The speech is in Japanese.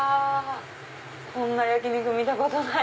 こんな焼き肉見たことない！